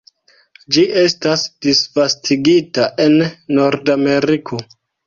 Ĝi estas disvastigita en Nordameriko.